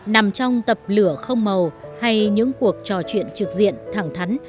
nằm trong tập lửa không màu hay những cuộc trò chuyện trực diện thẳng thắn